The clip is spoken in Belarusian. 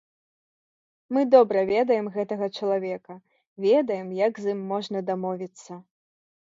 Мы добра ведаем гэтага чалавека, ведаем, як з ім можна дамовіцца.